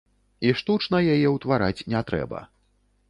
І штучна яе ўтвараць не трэба.